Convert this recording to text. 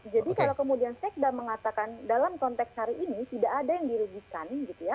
jadi kalau kemudian sekda mengatakan dalam konteks hari ini tidak ada yang dirugikan